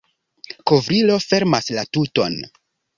Kovrilo fermas la tuton.